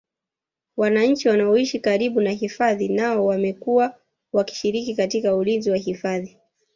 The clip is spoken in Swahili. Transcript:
wananchi wanaoishi karibu na hifadhi nao wamekuwa wakishiriki katika ulinzi wa hifadhi